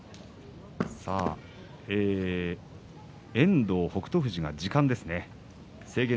遠藤に北勝富士が時間です。